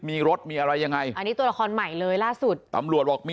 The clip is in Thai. มีรถมีอะไรยังไงอันนี้ตัวละครใหม่เลยล่าสุดตำรวจบอกมี